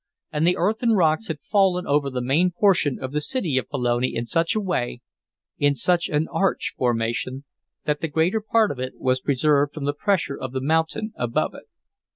And the earth and rocks had fallen over the main portion of the city of Pelone in such a way in such an arch formation that the greater part of it was preserved from the pressure of the mountain above it.